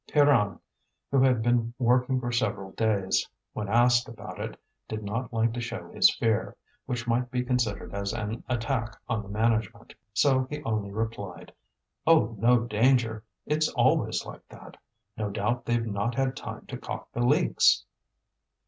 Pierron, who had been working for several days, when asked about it did not like to show his fear, which might be considered as an attack on the management, so he only replied: "Oh, no danger! it's always like that. No doubt they've not had time to caulk the leaks."